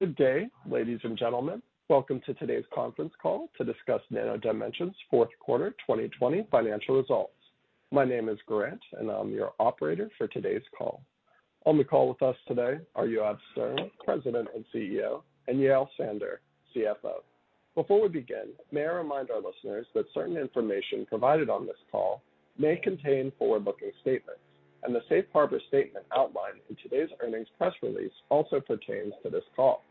Good day, ladies and gentlemen. Welcome to today's conference call to discuss Nano Dimension's fourth quarter, 2020, financial results. My name is Grant, and I'm your operator for today's call. On the call with us today are Yoav Stern, President and CEO, and Yael Sandler, CFO. Before we begin, may I remind our listeners that certain information provided on this call may contain forward-looking statements, and the Safe Harbor statement outlined in today's earnings press release also pertains to this call.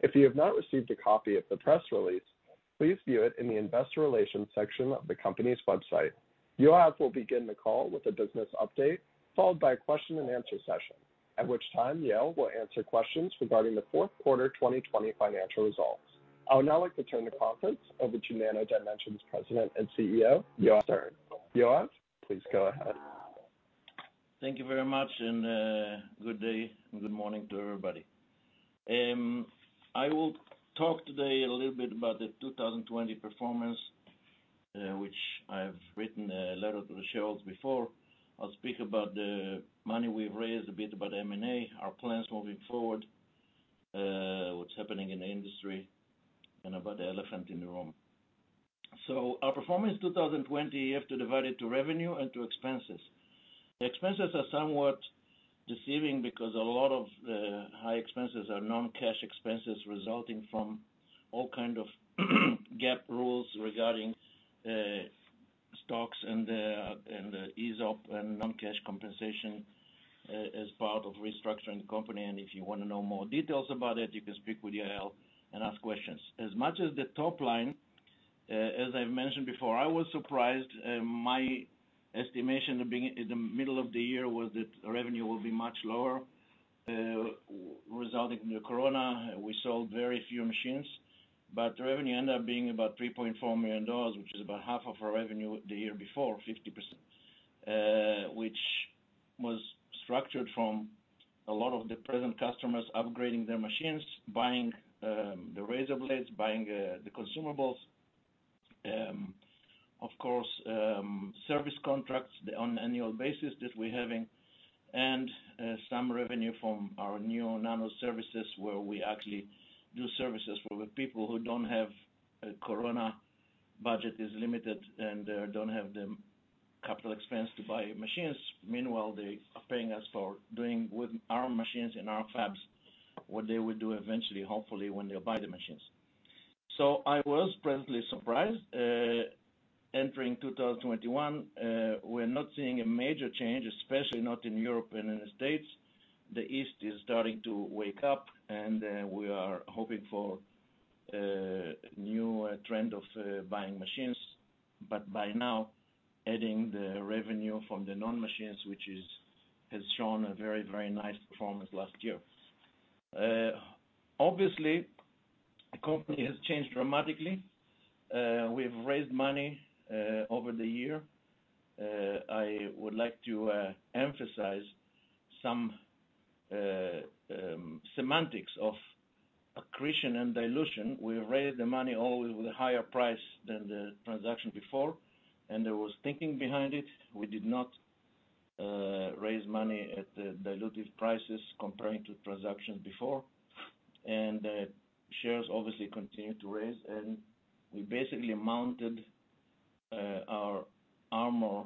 If you have not received a copy of the press release, please view it in the investor relations section of the company's website. Yoav will begin the call with a business update, followed by a question-and-answer session, at which time Yael will answer questions regarding the fourth quarter, 2020, financial results. I would now like to turn the conference over to Nano Dimension's President and CEO, Yoav Stern. Yoav, please go ahead. Thank you very much, and good day and good morning to everybody. I will talk today a little bit about the 2020 performance, which I've written a letter to the shareholders before. I'll speak about the money we've raised, a bit about M&A, our plans moving forward, what's happening in the industry, and about the elephant in the room. Our performance 2020, you have to divide it to revenue and to expenses. The expenses are somewhat deceiving because a lot of the high expenses are non-cash expenses resulting from all kinds of GAAP rules regarding stocks and the ESOP and non-cash compensation as part of restructuring the company. And if you want to know more details about it, you can speak with Yael and ask questions. As much as the top line, as I've mentioned before, I was surprised. My estimation in the middle of the year was that revenue would be much lower resulting in the corona. We sold very few machines, but revenue ended up being about $3.4 million, which is about half of our revenue the year before, 50%, which was structured from a lot of the present customers upgrading their machines, buying the razor blades, buying the consumables, of course, service contracts on an annual basis that we're having, and some revenue from our new Nano Services where we actually do services for the people who don't have a capital budget, is limited, and don't have the capital expense to buy machines. Meanwhile, they are paying us for doing with our machines and our fabs what they will do eventually, hopefully, when they buy the machines. So I was pleasantly surprised. Entering 2021, we're not seeing a major change, especially not in Europe and in the States. The East is starting to wake up, and we are hoping for a new trend of buying machines, but by now, adding the revenue from the non-machines, which has shown a very, very nice performance last year. Obviously, the company has changed dramatically. We've raised money over the year. I would like to emphasize some semantics of accretion and dilution. We raised the money always with a higher price than the transaction before, and there was thinking behind it. We did not raise money at diluted prices comparing to transactions before, and shares obviously continue to raise, and we basically mounted our armor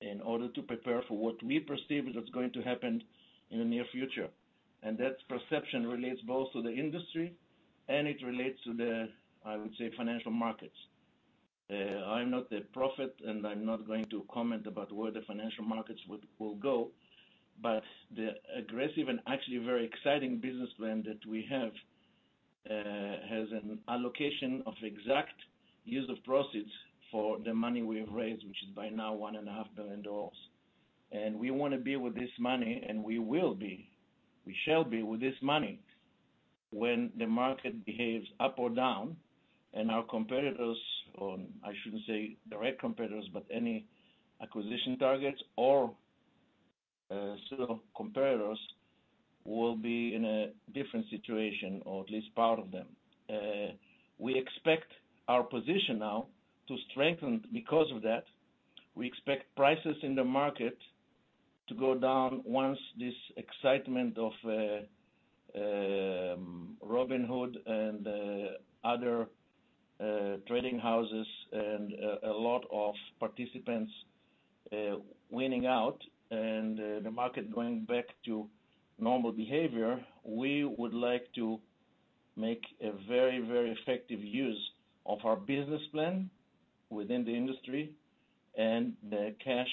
in order to prepare for what we perceive is going to happen in the near future. And that perception relates both to the industry, and it relates to the, I would say, financial markets. I'm not a prophet, and I'm not going to comment about where the financial markets will go, but the aggressive and actually very exciting business plan that we have has an allocation of exact use of proceeds for the money we've raised, which is by now $1.5 billion. And we want to be with this money, and we will be. We shall be with this money when the market behaves up or down, and our competitors, or I shouldn't say direct competitors, but any acquisition targets or still competitors will be in a different situation, or at least part of them. We expect our position now to strengthen because of that. We expect prices in the market to go down once this excitement of Robinhood and other trading houses and a lot of participants winning out and the market going back to normal behavior. We would like to make a very, very effective use of our business plan within the industry and the cash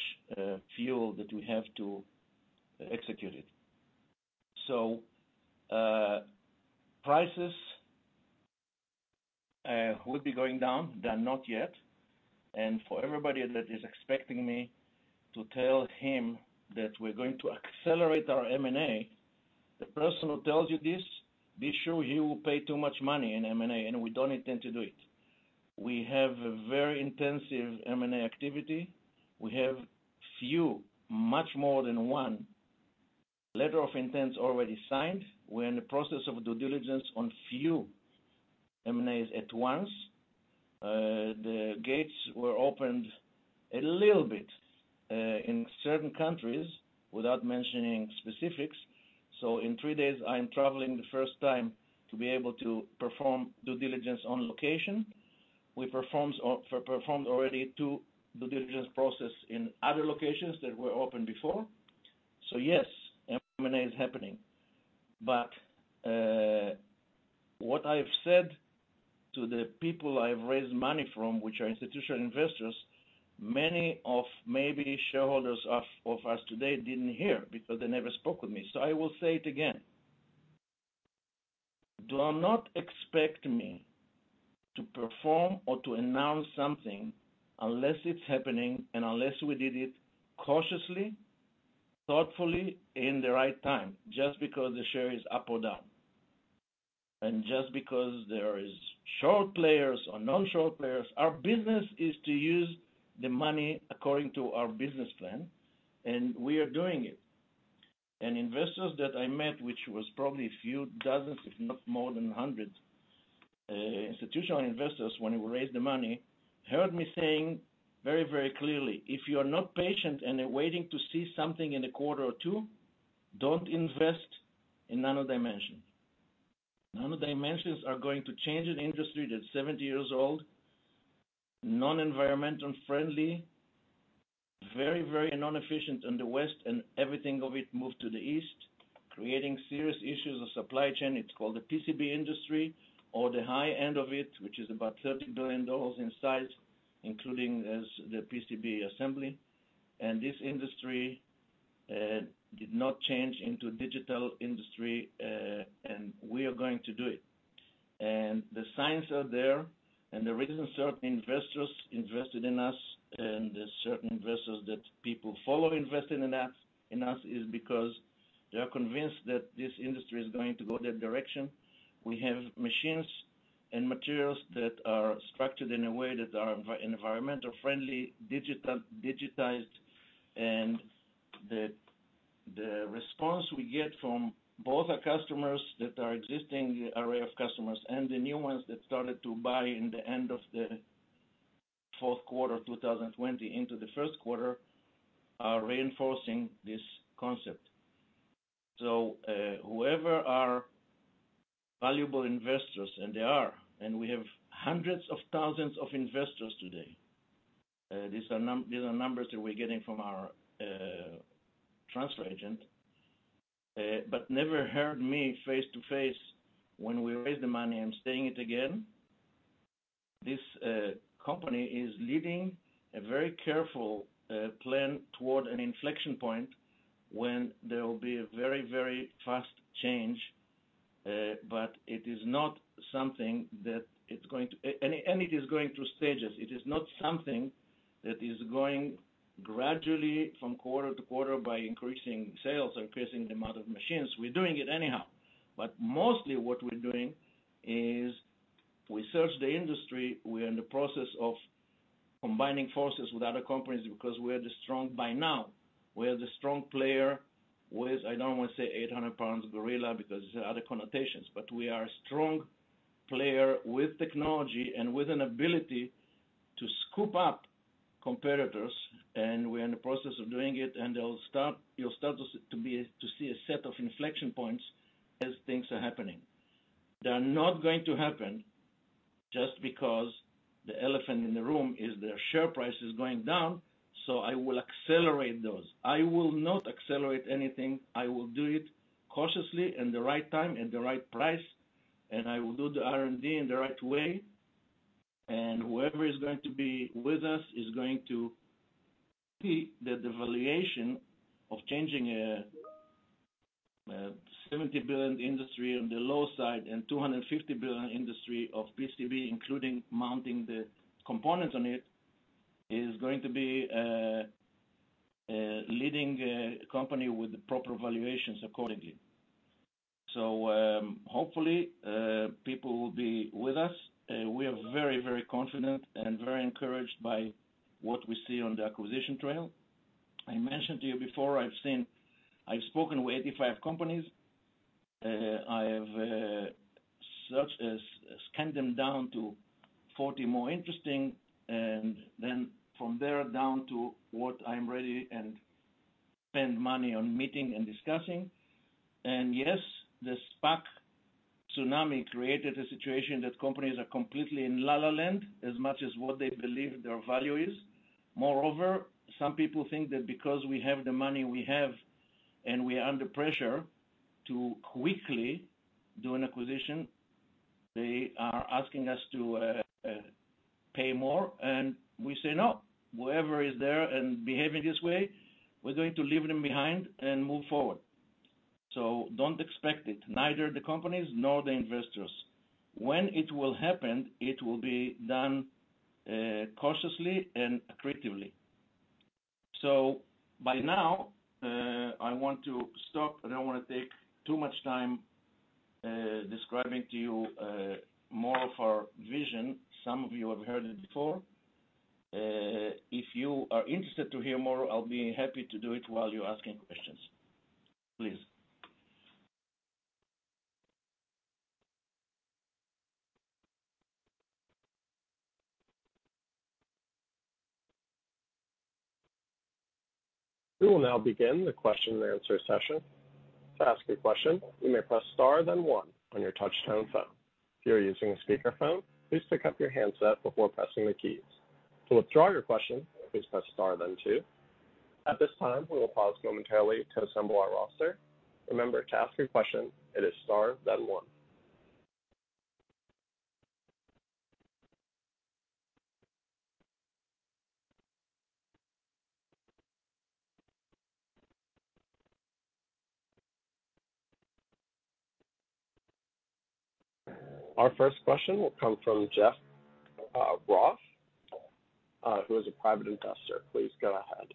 fuel that we have to execute it. So prices will be going down. They're not yet. And for everybody that is expecting me to tell him that we're going to accelerate our M&A, the person who tells you this, be sure he will pay too much money in M&A, and we don't intend to do it. We have a very intensive M&A activity. We have few, much more than one, letter of intent already signed. We're in the process of due diligence on few M&As at once. The gates were opened a little bit in certain countries without mentioning specifics. So in three days, I'm traveling the first time to be able to perform due diligence on location. We performed already two due diligence processes in other locations that were opened before. So yes, M&A is happening. But what I've said to the people I've raised money from, which are institutional investors, many of maybe shareholders of us today didn't hear because they never spoke with me. So I will say it again. Do not expect me to perform or to announce something unless it's happening and unless we did it cautiously, thoughtfully in the right time, just because the share is up or down and just because there are short players or non-short players. Our business is to use the money according to our business plan, and we are doing it. And investors that I met, which was probably a few dozen, if not more than hundreds, institutional investors, when we raised the money, heard me saying very, very clearly, "If you are not patient and waiting to see something in a quarter or two, don't invest in Nano Dimension." Nano Dimension is going to change an industry that's 70 years old, non-environmentally friendly, very, very non-efficient in the West, and everything of it moved to the East, creating serious issues of supply chain. It's called the PCB industry or the high end of it, which is about $30 billion in size, including the PCB assembly. And this industry did not change into a digital industry, and we are going to do it. The signs are there, and the reason certain investors invested in us and certain investors that people follow invested in us is because they are convinced that this industry is going to go that direction. We have machines and materials that are structured in a way that are environmentally friendly, digitized, and the response we get from both our customers that are existing array of customers and the new ones that started to buy in the end of the fourth quarter of 2020 into the first quarter are reinforcing this concept. Whoever are valuable investors, and they are, and we have hundreds of thousands of investors today. These are numbers that we're getting from our transfer agent, but never heard me face to face when we raised the money and staying it again. This company is leading a very careful plan toward an inflection point when there will be a very, very fast change, but it is not something that it's going to, and it is going through stages. It is not something that is going gradually from quarter to quarter by increasing sales or increasing the amount of machines. We're doing it anyhow. But mostly what we're doing is we search the industry. We are in the process of combining forces with other companies because we are strong by now. We are the strong player with, I don't want to say 800-pound gorilla because there are other connotations, but we are a strong player with technology and with an ability to scoop up competitors, and we are in the process of doing it, and you'll start to see a set of inflection points as things are happening. They're not going to happen just because the elephant in the room is the share price is going down, so I will accelerate those. I will not accelerate anything. I will do it cautiously in the right time at the right price, and I will do the R&D in the right way, and whoever is going to be with us is going to see that the valuation of changing a $70 billion industry on the low side and $250 billion industry of PCB, including mounting the components on it, is going to be a leading company with proper valuations accordingly, so hopefully, people will be with us. We are very, very confident and very encouraged by what we see on the acquisition trail. I mentioned to you before, I've spoken with 85 companies. I've scanned them down to 40 more interesting, and then from there down to what I'm ready to spend money on meeting and discussing. Yes, the SPAC tsunami created a situation that companies are completely in La La Land as much as what they believe their value is. Moreover, some people think that because we have the money we have and we are under pressure to quickly do an acquisition, they are asking us to pay more, and we say, "No. Whoever is there and behaving this way, we're going to leave them behind and move forward." Don't expect it, neither the companies nor the investors. When it will happen, it will be done cautiously and accretively. By now, I want to stop. I don't want to take too much time describing to you more of our vision. Some of you have heard it before. If you are interested to hear more, I'll be happy to do it while you're asking questions. Please. We will now begin the question and answer session. To ask a question, you may press star then one on your touch-tone phone. If you're using a speakerphone, please pick up your handset before pressing the keys. To withdraw your question, please press star then two. At this time, we will pause momentarily to assemble our roster. Remember to ask your question. It is star then one. Our first question will come from Jeff Roth, who is a private investor. Please go ahead.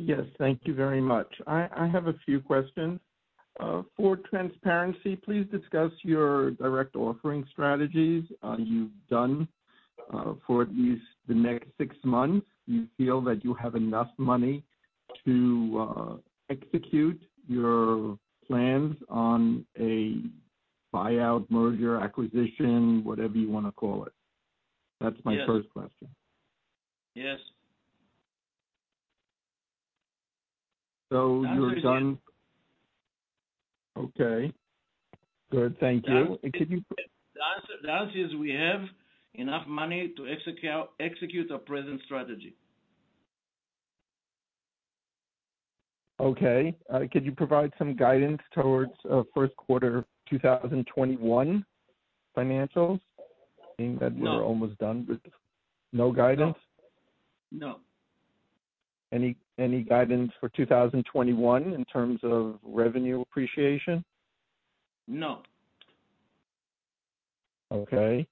Yes. Thank you very much. I have a few questions. For transparency, please discuss your direct offering strategies you've done for at least the next six months. Do you feel that you have enough money to execute your plans on a buyout, merger, acquisition, whatever you want to call it? That's my first question. Yes. So you're done. Okay. Good. Thank you. The answer is we have enough money to execute our present strategy. Okay. Could you provide some guidance towards first quarter 2021 financials? You mean that we're almost done with no guidance? No. Any guidance for 2021 in terms of revenue appreciation? No. Okay.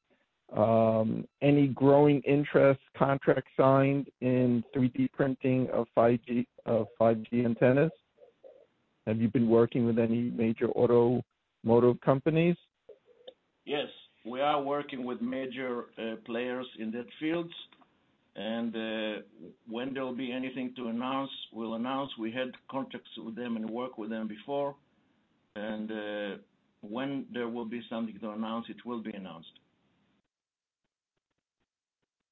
Any growing interest contract signed in 3D printing of 5G antennas? Have you been working with any major automotive companies? Yes. We are working with major players in that field, and when there will be anything to announce, we'll announce. We had contracts with them and worked with them before, and when there will be something to announce, it will be announced.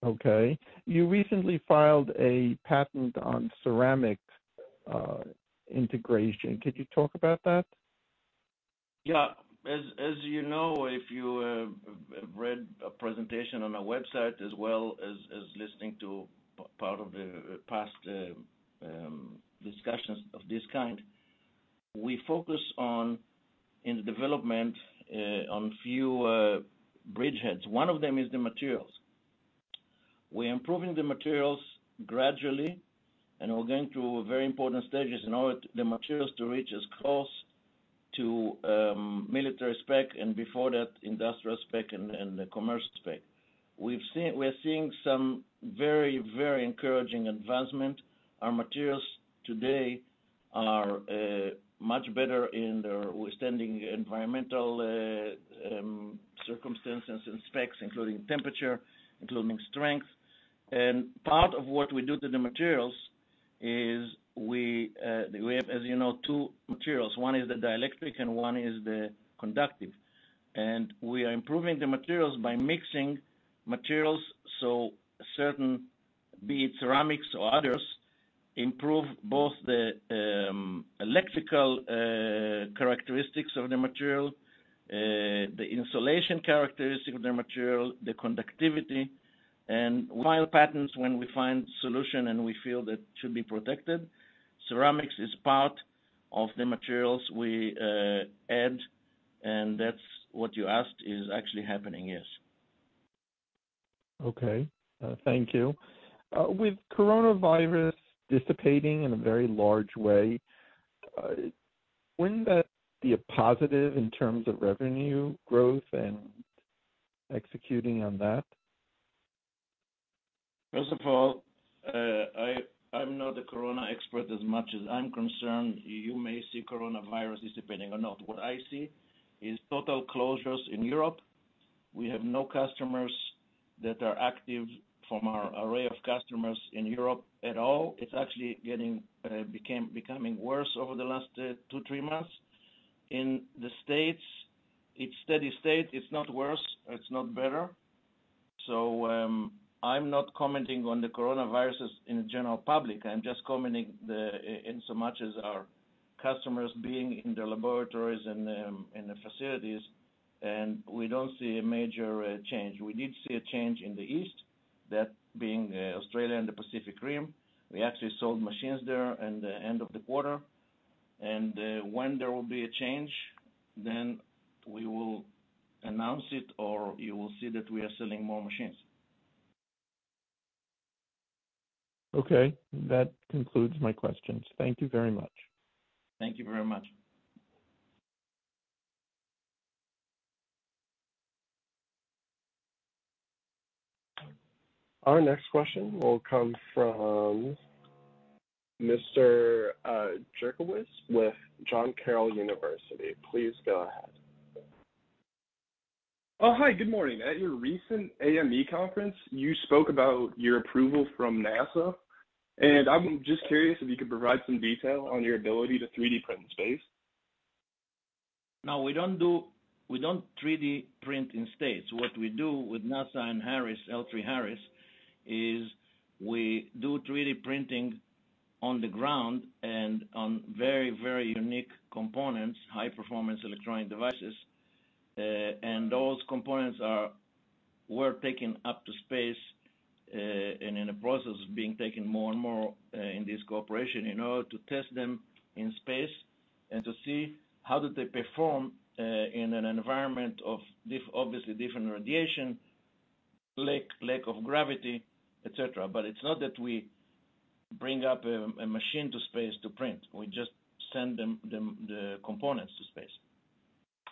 Okay. You recently filed a patent on ceramic integration. Could you talk about that? Yeah. As you know, if you have read a presentation on our website as well as listening to part of the past discussions of this kind, we focus on development on few bridgeheads. One of them is the materials. We're improving the materials gradually, and we're going through very important stages. In order for the materials to reach as close to military spec and before that industrial spec and the commercial spec, we're seeing some very, very encouraging advancement. Our materials today are much better in their withstanding environmental circumstances and specs, including temperature, including strength. And part of what we do to the materials is we have, as you know, two materials. One is the dielectric and one is the conductive. We are improving the materials by mixing materials so certain, be it ceramics or others, improve both the electrical characteristics of the material, the insulation characteristics of the material, the conductivity. We file patents when we find solutions and we feel that it should be protected. Ceramics is part of the materials we add, and that's what you asked is actually happening, yes. Okay. Thank you. With coronavirus dissipating in a very large way, when is that a positive in terms of revenue growth and executing on that? First of all, I'm not a corona expert as far as I'm concerned. You may see coronavirus dissipating or not. What I see is total closures in Europe. We have no customers that are active from our array of customers in Europe at all. It's actually becoming worse over the last two, three months. In the States, it's steady state. It's not worse. It's not better. So I'm not commenting on the coronaviruses in the general public. I'm just commenting in so much as our customers being in the laboratories and the facilities, and we don't see a major change. We did see a change in the East, that being Australia and the Pacific Rim. We actually sold machines there at the end of the quarter, and when there will be a change, then we will announce it or you will see that we are selling more machines. Okay. That concludes my questions. Thank you very much. Thank you very much. Our next question will come from Mr. Jerkowitz with John Carroll University. Please go ahead. Oh, hi. Good morning. At your recent AME conference, you spoke about your approval from NASA, and I'm just curious if you could provide some detail on your ability to 3D print in space. No, we don't 3D print in space. What we do with NASA and L3Harris is we do 3D printing on the ground and on very, very unique components, high-performance electronic devices. And those components were taken up to space and in the process of being taken more and more in this cooperation in order to test them in space and to see how do they perform in an environment of obviously different radiation, lack of gravity, etc. But it's not that we bring up a machine to space to print. We just send the components to space.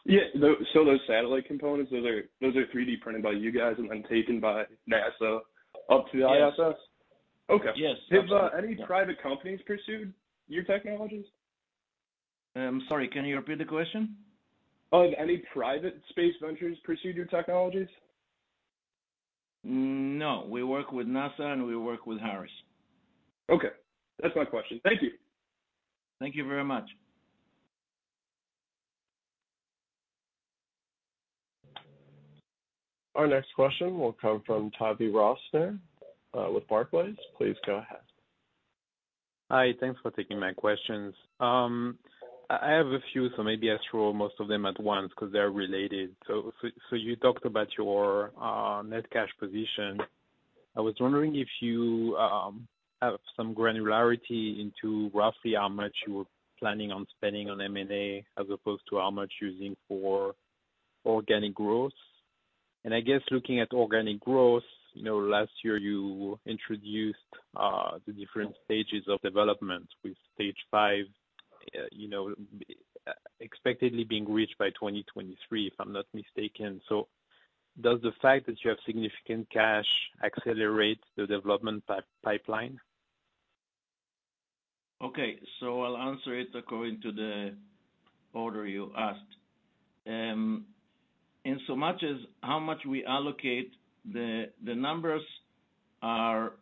Yeah. So those satellite components, those are 3D printed by you guys and then taken by NASA up to the ISS? Yes. Yes. Okay. Have any private companies pursued your technologies? I'm sorry. Can you repeat the question? Have any private space ventures pursued your technologies? No. We work with NASA and we work with Harris. Okay. That's my question. Thank you. Thank you very much. Our next question will come from Tavy Rosner with Barclays. Please go ahead. Hi. Thanks for taking my questions. I have a few, so maybe I'll throw most of them at once because they're related. So you talked about your net cash position. I was wondering if you have some granularity into roughly how much you were planning on spending on M&A as opposed to how much using for organic growth. And I guess looking at organic growth, last year you introduced the different stages of development with stage five expectedly being reached by 2023, if I'm not mistaken. So does the fact that you have significant cash accelerate the development pipeline? Okay. So I'll answer it according to the order you asked. Inasmuch as how much we allocate, the numbers are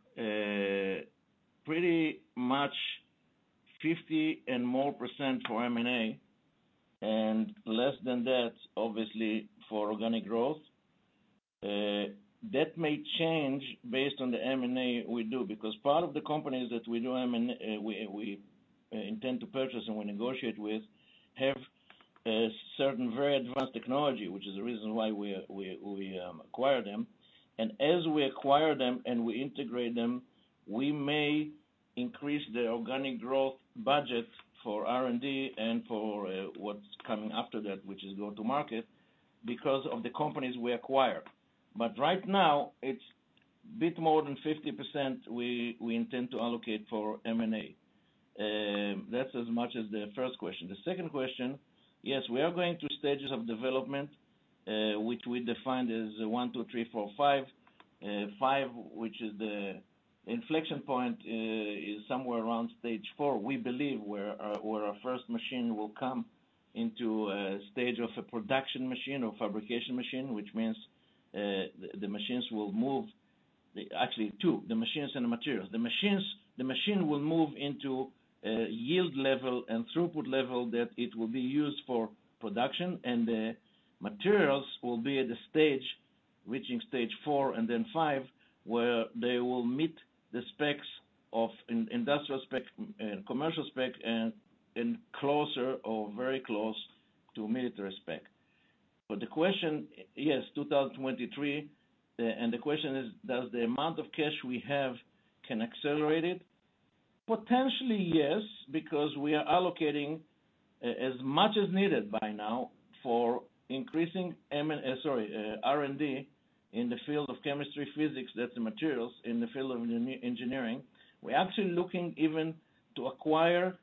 pretty much 50% and more for M&A and less than that, obviously, for organic growth. That may change based on the M&A we do because part of the companies that we intend to purchase and we negotiate with have certain very advanced technology, which is the reason why we acquire them. And as we acquire them and we integrate them, we may increase the organic growth budget for R&D and for what's coming after that, which is go-to-market because of the companies we acquire. But right now, it's a bit more than 50% we intend to allocate for M&A. That's as much as the first question. The second question, yes, we are going through stages of development, which we defined as one, two, three, four, five. Five, which is the inflection point, is somewhere around stage four. We believe where our first machine will come into a stage of a production machine or fabrication machine, which means the machines will move actually too, the machines and the materials. The machine will move into yield level and throughput level that it will be used for production, and the materials will be at a stage reaching stage four and then five where they will meet the specs of industrial spec and commercial spec and closer or very close to military spec. But the question, yes, 2023, and the question is, does the amount of cash we have can accelerate it? Potentially, yes, because we are allocating as much as needed by now for increasing M&A sorry, R&D in the field of chemistry, physics, that's the materials in the field of engineering. We're actually looking even to acquire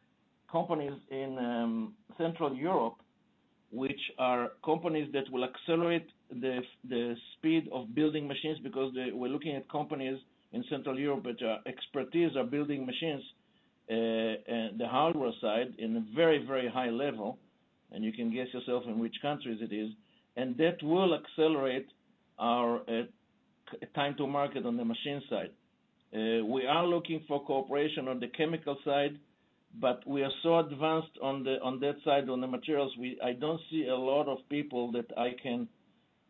companies in Central Europe, which are companies that will accelerate the speed of building machines because we're looking at companies in Central Europe that are expertise of building machines and the hardware side in a very, very high level. And you can guess yourself in which countries it is. And that will accelerate our time to market on the machine side. We are looking for cooperation on the chemical side, but we are so advanced on that side on the materials, I don't see a lot of people that I can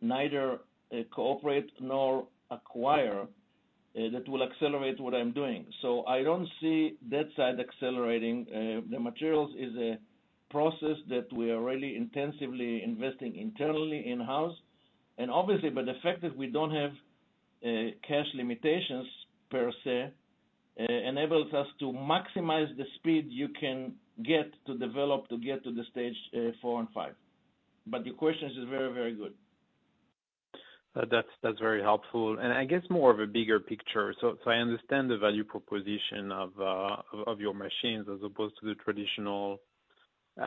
neither cooperate nor acquire that will accelerate what I'm doing. So I don't see that side accelerating. The materials is a process that we are really intensively investing internally in-house. And obviously, but the fact that we don't have cash limitations per se enables us to maximize the speed you can get to develop to get to the stage four and five. But your question is very, very good. That's very helpful. And I guess more of a bigger picture. So I understand the value proposition of your machines as opposed to the traditional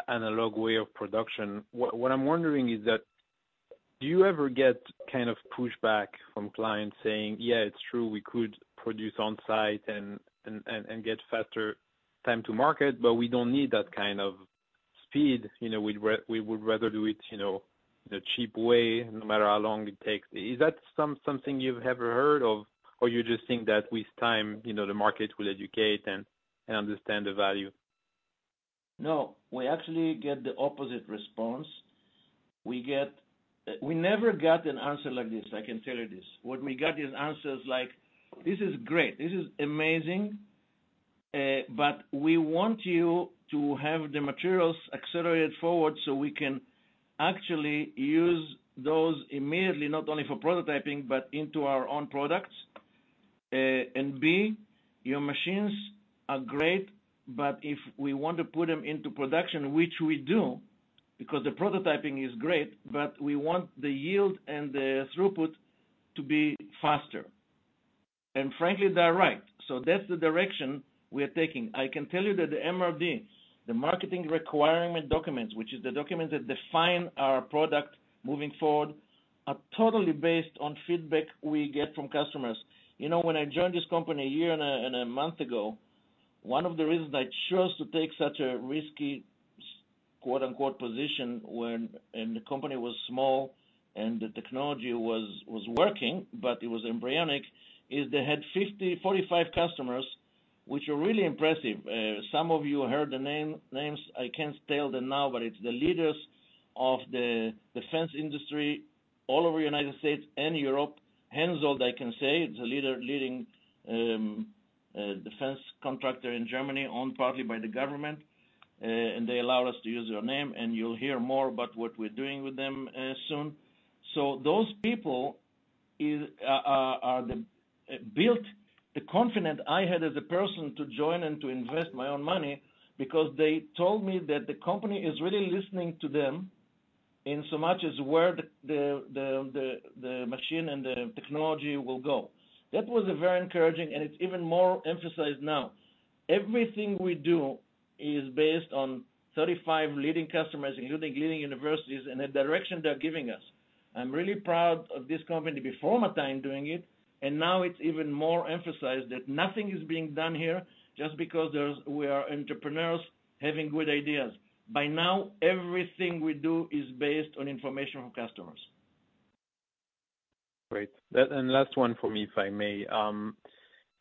analog way of production. What I'm wondering is that do you ever get kind of pushback from clients saying, "Yeah, it's true. We could produce on-site and get faster time to market, but we don't need that kind of speed. We would rather do it in a cheap way no matter how long it takes." Is that something you've ever heard of, or you just think that with time, the market will educate and understand the value? No. We actually get the opposite response. We never got an answer like this. I can tell you this. What we got is answers like, "This is great. This is amazing. But we want you to have the materials accelerated forward so we can actually use those immediately, not only for prototyping, but into our own products." And B, your machines are great, but if we want to put them into production, which we do because the prototyping is great, but we want the yield and the throughput to be faster. And frankly, they're right. So that's the direction we are taking. I can tell you that the MRD, the marketing requirement documents, which is the documents that define our product moving forward, are totally based on feedback we get from customers. When I joined this company a year and a month ago, one of the reasons I chose to take such a risky "position" when the company was small and the technology was working, but it was embryonic, is they had 45 customers, which are really impressive. Some of you heard the names. I can't tell them now, but it's the leaders of the defense industry all over the United States and Europe. Hensoldt, I can say, is a leading defense contractor in Germany, owned partly by the government. And they allowed us to use their name, and you'll hear more about what we're doing with them soon. So those people built the confidence I had as a person to join and to invest my own money because they told me that the company is really listening to them in so much as where the machine and the technology will go. That was very encouraging, and it's even more emphasized now. Everything we do is based on 35 leading customers, including leading universities, and the direction they're giving us. I'm really proud of this company. Before my time doing it, and now it's even more emphasized that nothing is being done here just because we are entrepreneurs having good ideas. By now, everything we do is based on information from customers. Great. And last one for me, if I may.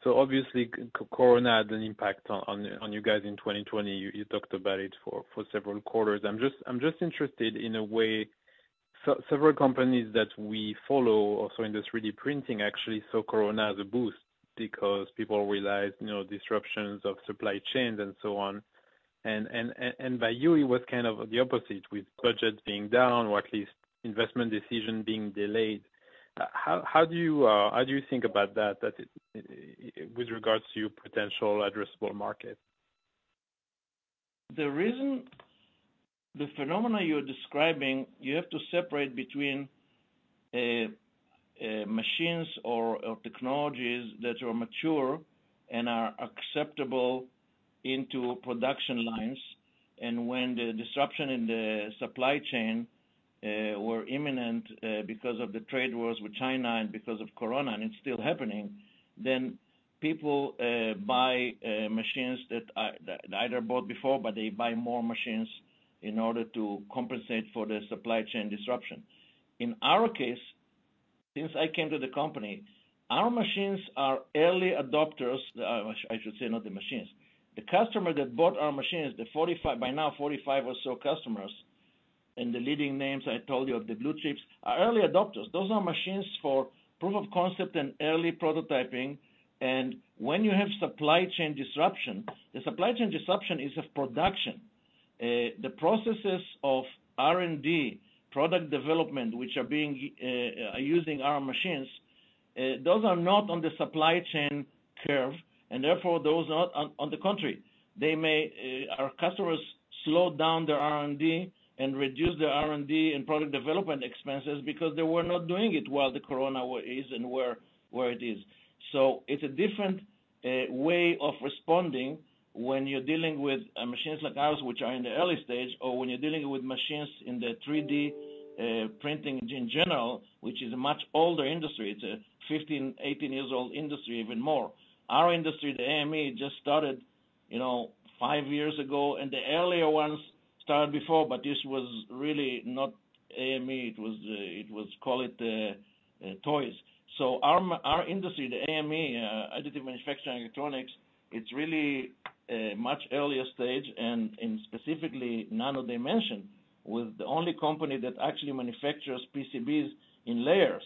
So obviously, corona had an impact on you guys in 2020. You talked about it for several quarters. I'm just interested in a way, several companies that we follow also in this 3D printing actually saw corona as a boost because people realized disruptions of supply chains and so on, and with you, it was kind of the opposite with budgets being down or at least investment decisions being delayed. How do you think about that with regards to your potential addressable market? The phenomenon you're describing, you have to separate between machines or technologies that are mature and are acceptable into production lines, and when the disruption in the supply chain was imminent because of the trade wars with China and because of corona, and it's still happening, then people buy machines that they either bought before, but they buy more machines in order to compensate for the supply chain disruption. In our case, since I came to the company, our machines are early adopters. I should say not the machines. The customer that bought our machines, by now, 45 or so customers, and the leading names I told you of the blue chips are early adopters. Those are machines for proof of concept and early prototyping. And when you have supply chain disruption, the supply chain disruption is of production. The processes of R&D, product development, which are using our machines, those are not on the supply chain curve. And therefore, those are not on the country. Our customers slowed down their R&D and reduced their R&D and product development expenses because they were not doing it while the coronavirus is and where it is. So it's a different way of responding when you're dealing with machines like ours, which are in the early stage, or when you're dealing with machines in the 3D printing in general, which is a much older industry. It's a 15- or 18-year-old industry even more. Our industry, the AME, just started five years ago, and the earlier ones started before, but this was really not AME. It was, call it toys. So our industry, the AME, additive manufacturing electronics, it's really a much earlier stage and specifically Nano Dimension, with the only company that actually manufactures PCBs in layers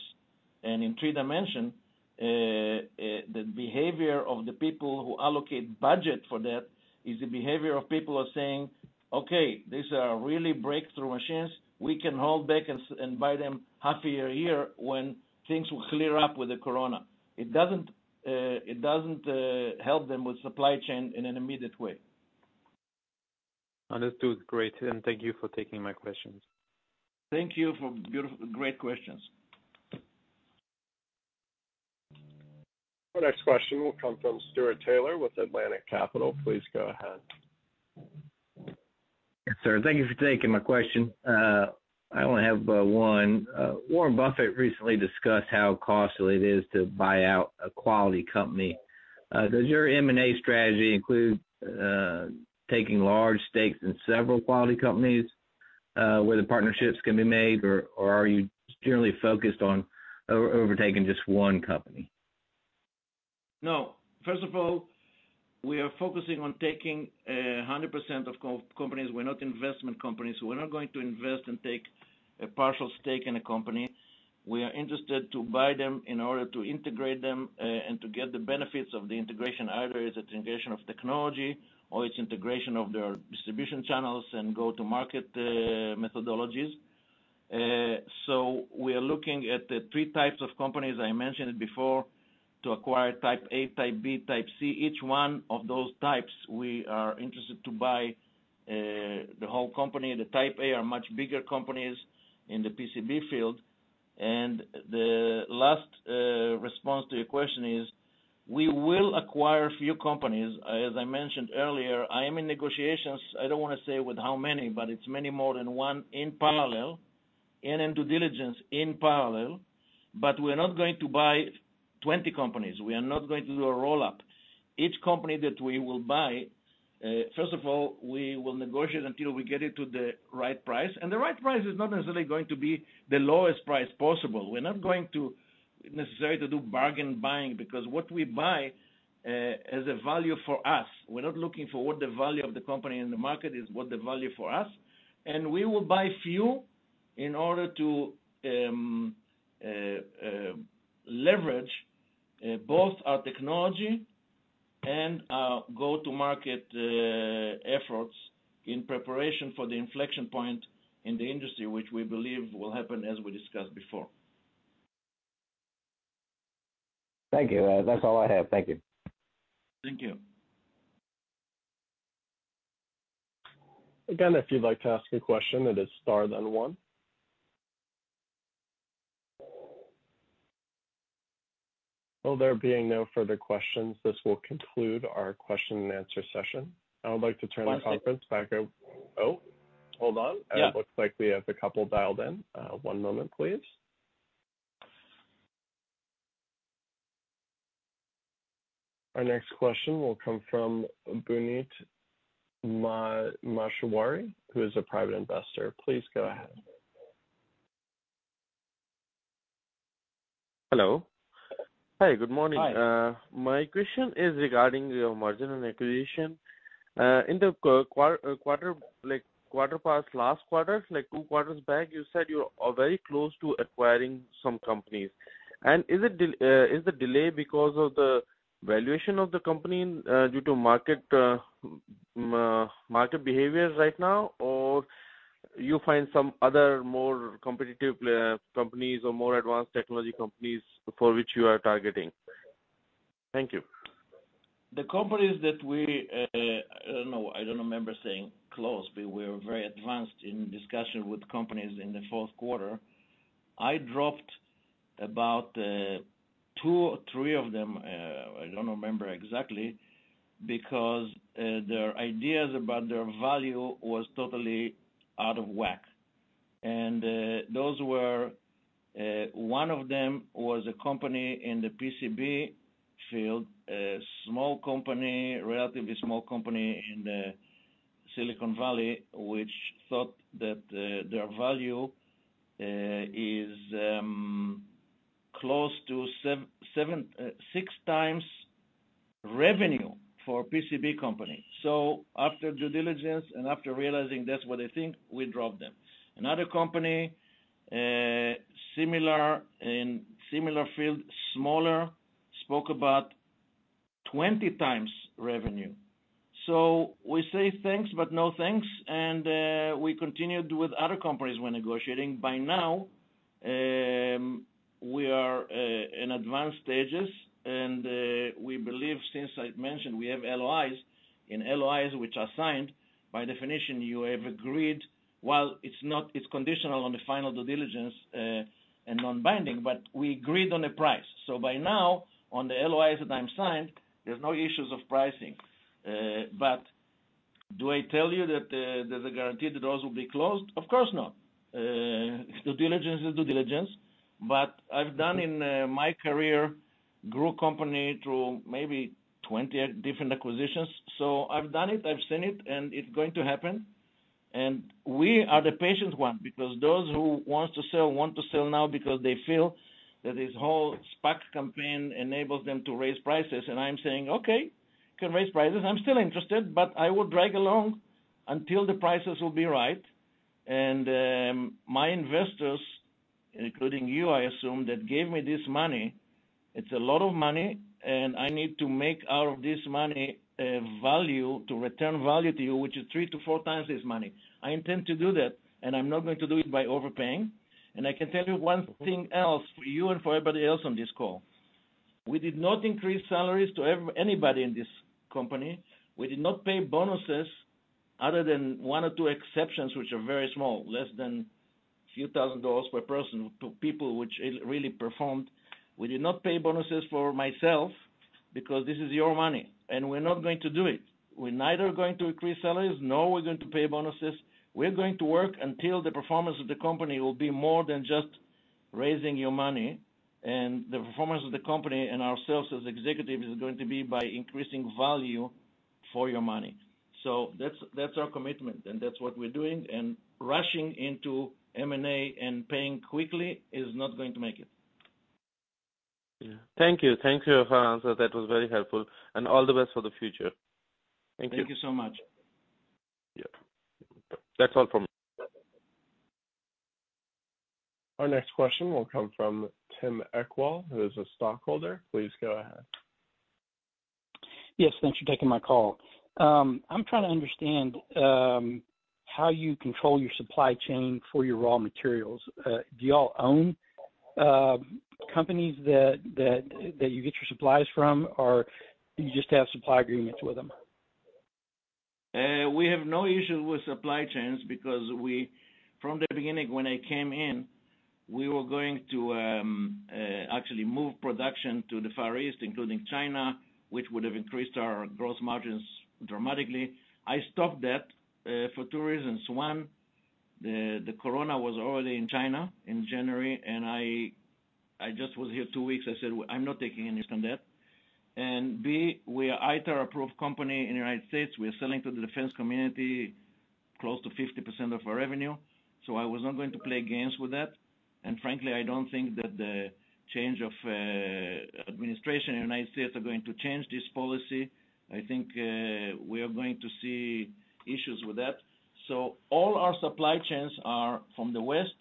and in three dimensions. The behavior of the people who allocate budget for that is the behavior of people saying, "Okay, these are really breakthrough machines. We can hold back and buy them half a year here when things will clear up with the corona." It doesn't help them with supply chain in an immediate way. Understood. Great. And thank you for taking my questions. Thank you for beautiful, great questions. Our next question will come from Stuart Taylor with Atlantic Capital. Please go ahead. Sir, thank you for taking my question. I only have one. Warren Buffett recently discussed how costly it is to buy out a quality company. Does your M&A strategy include taking large stakes in several quality companies where the partnerships can be made, or are you generally focused on overtaking just one company? No. First of all, we are focusing on taking 100% of companies. We're not investment companies. We're not going to invest and take a partial stake in a company. We are interested to buy them in order to integrate them and to get the benefits of the integration, either it's integration of technology or it's integration of their distribution channels and go-to-market methodologies. So we are looking at the three types of companies I mentioned before to acquire type A, type B, type C. Each one of those types, we are interested to buy the whole company. The type A are much bigger companies in the PCB field. The last response to your question is we will acquire a few companies. As I mentioned earlier, I am in negotiations. I don't want to say with how many, but it's many more than one in parallel and in due diligence in parallel. We're not going to buy 20 companies. We are not going to do a roll-up. Each company that we will buy, first of all, we will negotiate until we get it to the right price. The right price is not necessarily going to be the lowest price possible. We're not going to necessarily do bargain buying because what we buy is a value for us. We're not looking for what the value of the company in the market is, what the value for us. And we will buy few in order to leverage both our technology and our go-to-market efforts in preparation for the inflection point in the industry, which we believe will happen, as we discussed before. Thank you. That's all I have. Thank you. Thank you. Again, if you'd like to ask a question, it is starred on one. Well, there being no further questions, this will conclude our question and answer session. I would like to turn the conference back over. Oh, hold on. It looks like we have a couple dialed in. One moment, please. Our next question will come from Puneet Maheshwari, who is a private investor. Please go ahead. Hello. Hi. Good morning. My question is regarding your margin and acquisition. In the quarter past last quarter, like two quarters back, you said you are very close to acquiring some companies. Is the delay because of the valuation of the company due to market behavior right now, or you find some other more competitive companies or more advanced technology companies for which you are targeting? Thank you. The companies that we. I don't know. I don't remember saying close, but we were very advanced in discussion with companies in the fourth quarter. I dropped about two or three of them. I don't remember exactly because their ideas about their value were totally out of whack. And one of them was a company in the PCB field, a relatively small company in Silicon Valley, which thought that their value is close to six times revenue for a PCB company. So after due diligence and after realizing that's what they think, we dropped them. Another company in a similar field, smaller, spoke about 20x revenue. So we say thanks, but no thanks. We continued with other companies when negotiating. By now, we are in advanced stages. We believe, since I mentioned, we have LOIs. In LOIs, which are signed, by definition, you have agreed. Well, it's conditional on the final due diligence and non-binding, but we agreed on the price. So by now, on the LOIs that I'm signed, there's no issues of pricing. But do I tell you that there's a guarantee that those will be closed? Of course not. Due diligence is due diligence. But I've done, in my career, grow a company through maybe 20 different acquisitions. So I've done it. I've seen it. And it's going to happen. And we are the patient one because those who want to sell want to sell now because they feel that this whole SPAC campaign enables them to raise prices. And I'm saying, "Okay. You can raise prices. I'm still interested, but I will drag along until the prices will be right," and my investors, including you, I assume, that gave me this money, it's a lot of money, and I need to make out of this money value to return value to you, which is three to four times this money. I intend to do that. I'm not going to do it by overpaying, and I can tell you one thing else for you and for everybody else on this call. We did not increase salaries to anybody in this company. We did not pay bonuses other than one or two exceptions, which are very small, less than a few thousand dollars per person, people which really performed. We did not pay bonuses for myself because this is your money, and we're not going to do it. We're neither going to increase salaries, nor are we going to pay bonuses. We're going to work until the performance of the company will be more than just raising your money. And the performance of the company and ourselves as executives is going to be by increasing value for your money. So that's our commitment. And that's what we're doing. And rushing into M&A and paying quickly is not going to make it. Yeah. Thank you. Thank you for your answer. That was very helpful. And all the best for the future. Thank you. Thank you so much. Yeah. That's all from me. Our next question will come from Tim Ishwal, who is a stockholder. Please go ahead. Yes. Thanks for taking my call. I'm trying to understand how you control your supply chain for your raw materials. Do you all own companies that you get your supplies from, or do you just have supply agreements with them? We have no issues with supply chains because from the beginning, when I came in, we were going to actually move production to the Far East, including China, which would have increased our gross margins dramatically. I stopped that for two reasons. One, the corona was already in China in January. And I just was here two weeks. I said, "I'm not taking any risk on that." And B, we are an ITAR-approved company in the United States. We are selling to the defense community close to 50% of our revenue. So I was not going to play games with that. And frankly, I don't think that the change of administration in the United States is going to change this policy. I think we are going to see issues with that. So all our supply chains are from the West.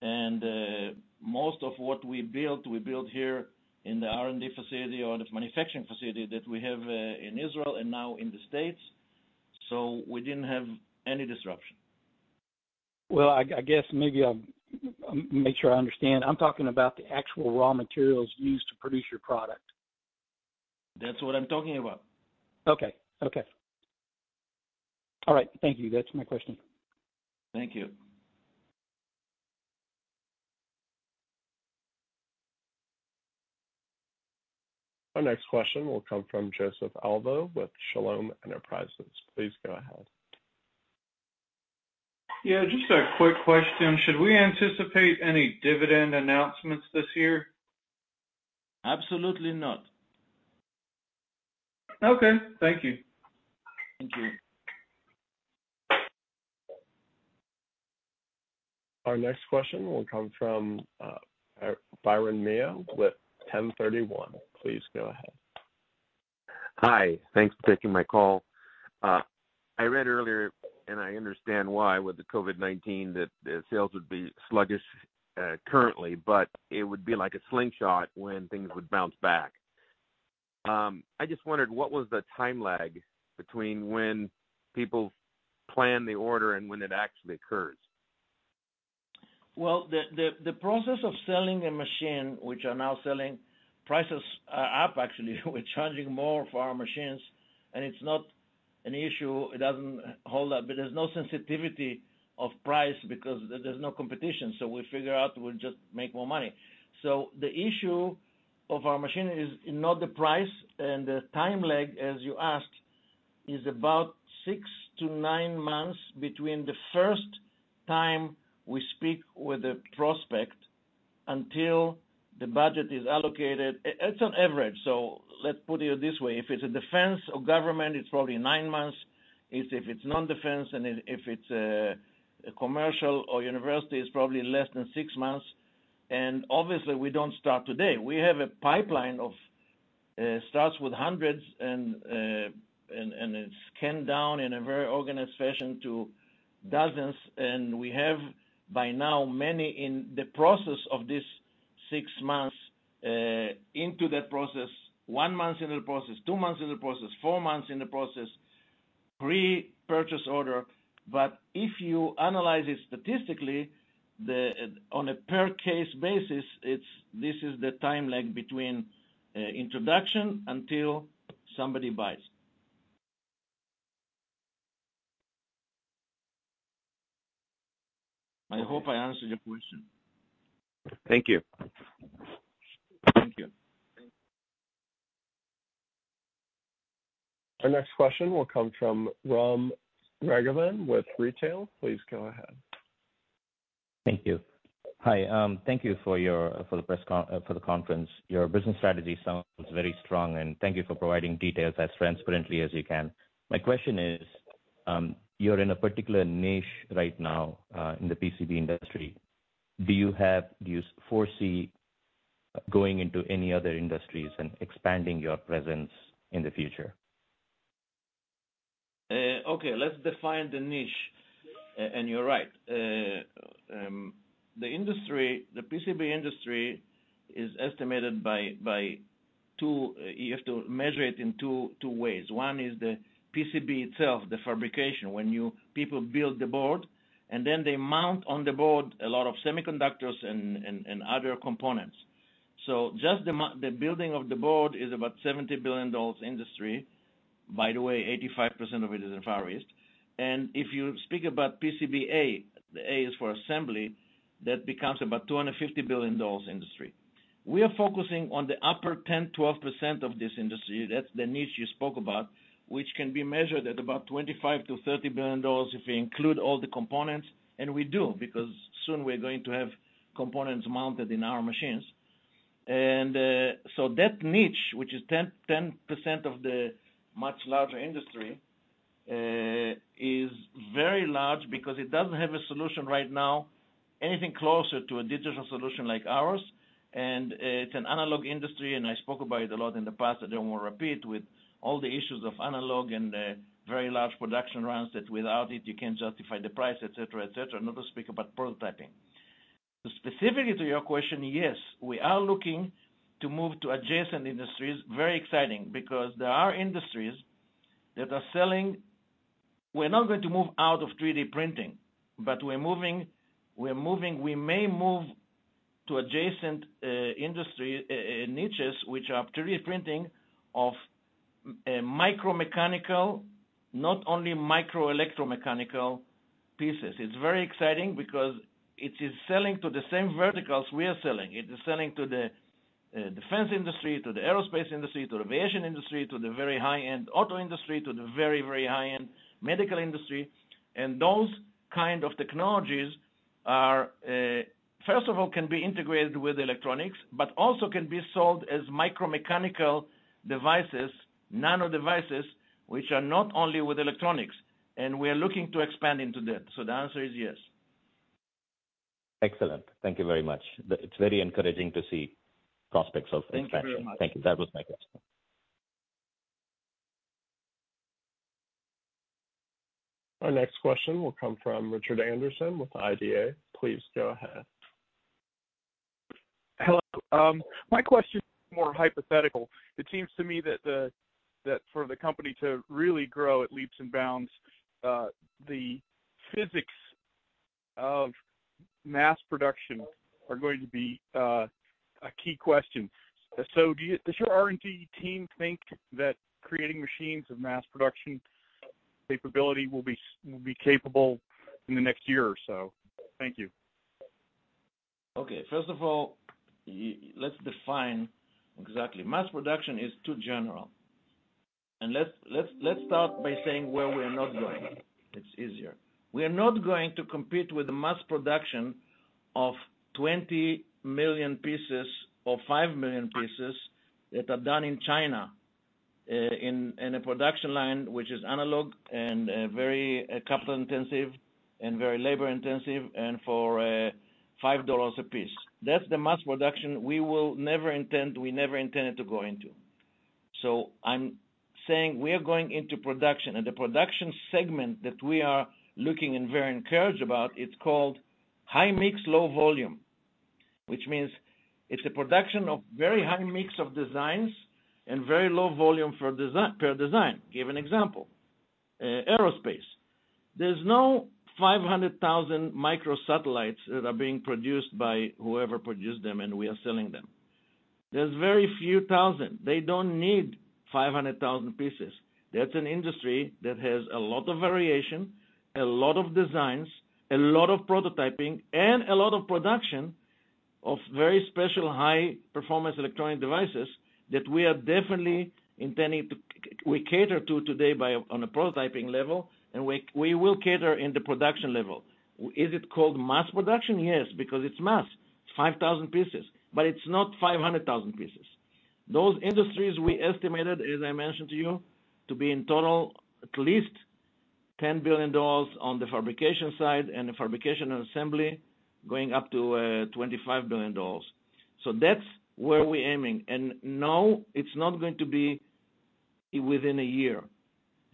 And most of what we built, we built here in the R&D facility or the manufacturing facility that we have in Israel and now in the States. So we didn't have any disruption. Well, I guess maybe I'll make sure I understand. I'm talking about the actual raw materials used to produce your product. That's what I'm talking about. Okay. Okay. All right. Thank you. That's my question. Thank you. Our next question will come from Joseph Alvo with Shalom Enterprises. Please go ahead. Yeah. Just a quick question. Should we anticipate any dividend announcements this year? Absolutely not. Okay. Thank you. Thank you. Our next question will come from Byron Mayo with 1031. Please go ahead. Hi. Thanks for taking my call. I read earlier, and I understand why, with the COVID-19, that sales would be sluggish currently, but it would be like a slingshot when things would bounce back. I just wondered, what was the time lag between when people plan the order and when it actually occurs? Well, the process of selling a machine, which I'm now selling. Prices are up, actually. We're charging more for our machines, and it's not an issue. It doesn't hold up. There's no sensitivity of price because there's no competition, so we figure out we'll just make more money, so the issue of our machine is not the price, and the time lag, as you asked, is about six-to-nine months between the first time we speak with a prospect until the budget is allocated. It's an average, so let's put it this way. If it's a defense or government, it's probably nine months. If it's non-defense and if it's a commercial or university, it's probably less than six months. And obviously, we don't start today. We have a pipeline of starts with hundreds, and it's scanned down in a very organized fashion to dozens. And we have, by now, many in the process of these six months into that process, one month in the process, two months in the process, four months in the process, pre-purchase order. But if you analyze it statistically, on a per-case basis, this is the time lag between introduction until somebody buys. I hope I answered your question. Thank you. Thank you. Our next question will come from Ram Raghavan with retail. Please go ahead. Thank you. Hi. Thank you for the conference. Your business strategy sounds very strong. And thank you for providing details as transparently as you can. My question is, you're in a particular niche right now in the PCB industry. Do you foresee going into any other industries and expanding your presence in the future? Okay. Let's define the niche. And you're right. The PCB industry is estimated by two. You have to measure it in two ways. One is the PCB itself, the fabrication, when people build the board, and then they mount on the board a lot of semiconductors and other components. So just the building of the board is about $70 billion industry. By the way, 85% of it is in Far East. And if you speak about PCBA, the A is for assembly, that becomes about $250 billion industry. We are focusing on the upper 10%-12% of this industry. That's the niche you spoke about, which can be measured at about $25-$30 billion if we include all the components. And we do because soon we're going to have components mounted in our machines. And so that niche, which is 10% of the much larger industry, is very large because it doesn't have a solution right now, anything closer to a digital solution like ours. And it's an analog industry. And I spoke about it a lot in the past. I don't want to repeat with all the issues of analog and very large production runs that without it, you can't justify the price, etc., etc., not to speak about prototyping. Specifically to your question, yes, we are looking to move to adjacent industries. Very exciting because there are industries that are selling. We're not going to move out of 3D printing, but we're moving, we may move to adjacent industries, niches, which are 3D printing of micro-mechanical, not only micro-electro-mechanical pieces. It's very exciting because it is selling to the same verticals we are selling. It is selling to the defense industry, to the aerospace industry, to the aviation industry, to the very high-end auto industry, to the very, very high-end medical industry. And those kinds of technologies, first of all, can be integrated with electronics, but also can be sold as micro-mechanical devices, nano-devices, which are not only with electronics. And we are looking to expand into that. So the answer is yes. Excellent. Thank you very much. It's very encouraging to see prospects of expansion. Thank you. That was my question. Our next question will come from Richard Anderson with IDA. Please go ahead. Hello. My question is more hypothetical. It seems to me that for the company to really grow at leaps and bounds, the physics of mass production are going to be a key question. So does your R&D team think that creating machines of mass production capability will be capable in the next year or so? Thank you. Okay. First of all, let's define exactly. Mass production is too general. And let's start by saying where we are not going. It's easier. We are not going to compete with the mass production of 20 million pieces or five million pieces that are done in China in a production line which is analog and very capital-intensive and very labor-intensive and for $5 a piece. That's the mass production we will never intend, we never intended to go into. So I'm saying we are going into production. The production segment that we are looking and very encouraged about, it's called high mix, low volume, which means it's a production of very high mix of designs and very low volume per design. Give an example: aerospace. There's no 500,000 micro-satellites that are being produced by whoever produced them, and we are selling them. There's very few thousand. They don't need 500,000 pieces. That's an industry that has a lot of variation, a lot of designs, a lot of prototyping, and a lot of production of very special high-performance electronic devices that we are definitely intending to, we cater to today on a prototyping level, and we will cater in the production level. Is it called mass production? Yes, because it's mass, 5,000 pieces. But it's not 500,000 pieces. Those industries we estimated, as I mentioned to you, to be in total at least $10 billion on the fabrication side and the fabrication and assembly going up to $25 billion. So that's where we're aiming, and no, it's not going to be within a year.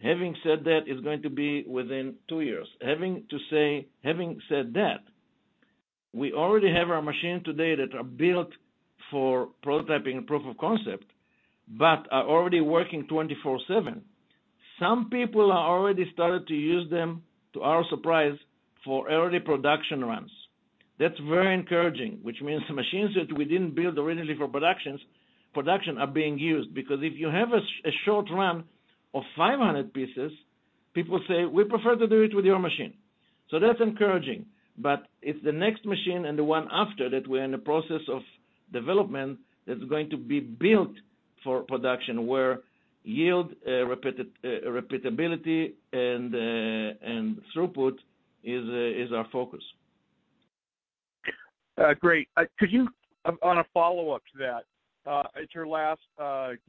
Having said that, it's going to be within two years. Having said that, we already have our machines today that are built for prototyping and proof of concept, but are already working 24/7. Some people have already started to use them, to our surprise, for early production runs. That's very encouraging, which means machines that we didn't build originally for production are being used. Because if you have a short run of 500 pieces, people say, "We prefer to do it with your machine." So that's encouraging. But it's the next machine and the one after that we're in the process of development that's going to be built for production where yield, repeatability, and throughput is our focus. Great. On a follow-up to that, it's your last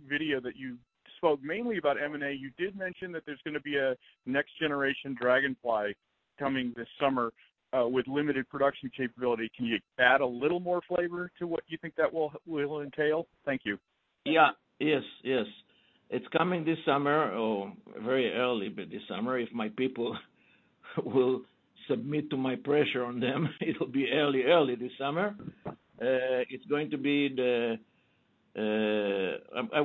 video that you spoke mainly about M&A. You did mention that there's going to be a next-generation DragonFly coming this summer with limited production capability. Can you add a little more flavor to what you think that will entail? Thank you. Yeah. Yes. Yes. It's coming this summer or very early this summer. If my people will submit to my pressure on them, it'll be early, early this summer. It's going to be the. I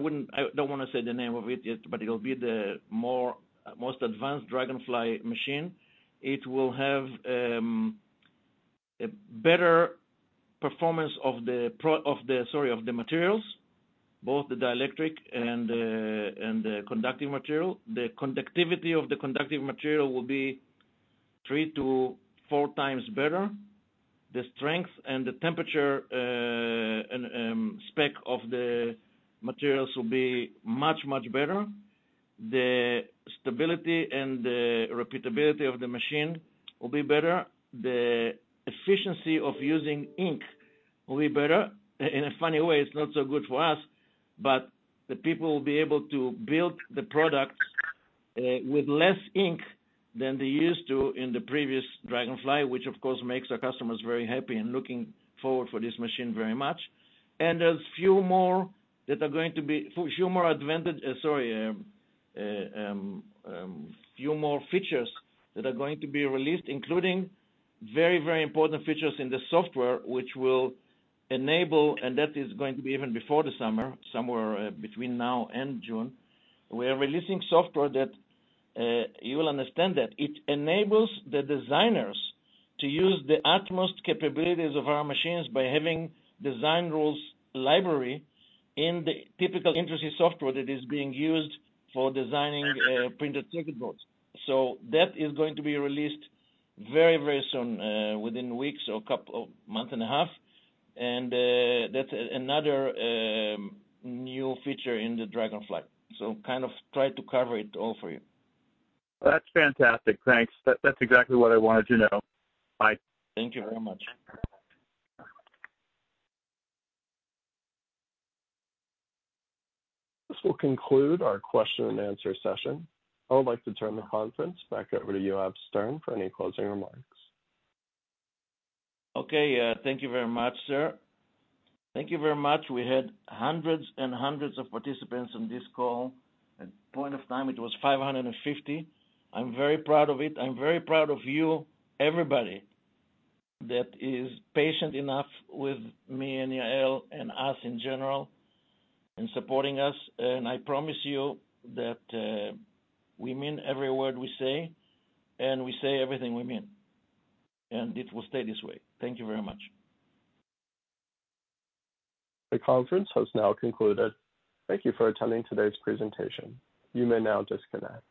don't want to say the name of it yet, but it'll be the most advanced DragonFly machine. It will have a better performance of the, sorry, of the materials, both the dielectric and the conductive material. The conductivity of the conductive material will be three to four times better. The strength and the temperature spec of the materials will be much, much better. The stability and the repeatability of the machine will be better. The efficiency of using ink will be better. In a funny way, it's not so good for us, but the people will be able to build the products with less ink than they used to in the previous DragonFly, which, of course, makes our customers very happy and looking forward for this machine very much. And there's a few more that are going to be, sorry, a few more features that are going to be released, including very, very important features in the software, which will enable, and that is going to be even before the summer, somewhere between now and June. We are releasing software that you'll understand that it enables the designers to use the utmost capabilities of our machines by having design rules library in the typical industry software that is being used for designing printed circuit boards. So that is going to be released very, very soon, within weeks or a month and a half. And that's another new feature in the DragonFly. So kind of try to cover it all for you. That's fantastic. Thanks. That's exactly what I wanted to know. Bye. Thank you very much. This will conclude our question-and-answer session. I would like to turn the conference back over to you, Yoav Stern, for any closing remarks. Okay. Thank you very much, sir. Thank you very much. We had hundreds and hundreds of participants in this call. At the point of time, it was 550. I'm very proud of it. I'm very proud of you, everybody, that is patient enough with me and Yael and us in general in supporting us. And I promise you that we mean every word we say, and we say everything we mean. And it will stay this way. Thank you very much. The conference has now concluded. Thank you for attending today's presentation. You may now disconnect.